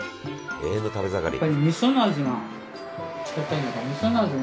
永遠の食べ盛り！